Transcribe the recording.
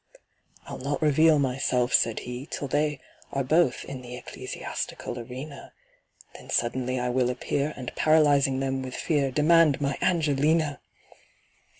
"I'll not reveal myself," said he, "Till they are both in the Ecclesiastical arena; Then suddenly I will appear, And paralysing them with fear, Demand my ANGELINA!"